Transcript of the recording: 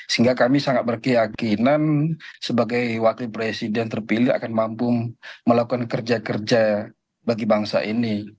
sehingga kami sangat berkeyakinan sebagai wakil presiden terpilih akan mampu melakukan kerja kerja bagi bangsa ini